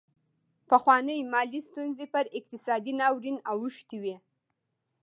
پخوانۍ مالي ستونزې پر اقتصادي ناورین اوښتې وې.